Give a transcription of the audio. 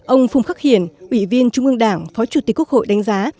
ông phùng khắc hiển ủy viên trung ương đảng phó chủ tịch quốc hội đánh giá